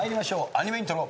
アニメイントロ。